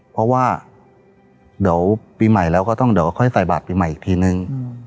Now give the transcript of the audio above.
เพราะว่าเดี๋ยวปีใหม่แล้วก็ต้องเดี๋ยวค่อยใส่บาทปีใหม่อีกทีนึง